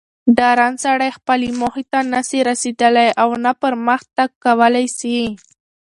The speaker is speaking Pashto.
ډارن سړئ خپلي موخي ته نه سي رسېدلاي اونه پرمخ تګ کولاي سي